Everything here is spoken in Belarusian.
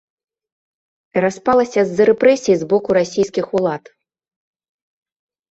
Распалася з-за рэпрэсій з боку расійскіх улад.